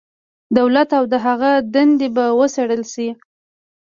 دولت او د هغه دندې به وڅېړل شي.